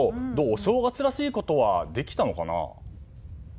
正月らしいことはできたのかな？